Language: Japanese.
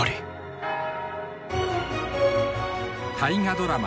大河ドラマ